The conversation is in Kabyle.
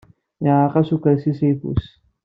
Yeɛreq-as urkas-is ayeffus.